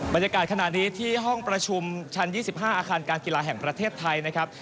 บรรยากาศขณะนี้ที่ห้องประชุมชั้น๒๕อาคารการกีฬาแห่งประเทศไทยนะครับ